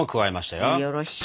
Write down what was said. よろしい！